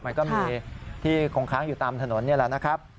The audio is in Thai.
มันก็มีที่คงค้างอยู่ตามถนนนี่แหละนะครับ